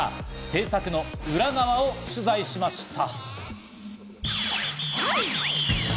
制作の裏側を取材しました。